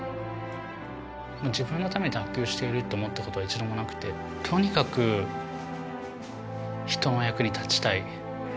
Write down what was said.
自分のために卓球をしていると思ったことは一度もなくて、とにかく人の役に立ちたい。